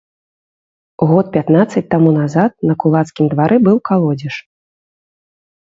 Год пятнаццаць таму назад на кулацкім двары быў калодзеж.